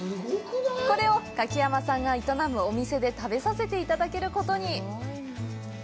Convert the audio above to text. これを柿山さんが営むお店で食べさせていただけることに。